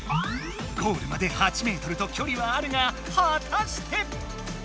ゴールまで８ｍときょりはあるがはたして！